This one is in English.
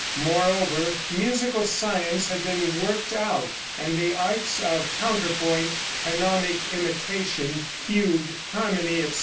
Moreover, musical science had been worked out, and the arts of counterpoint, canonic imitation, fugue, harmony, etc.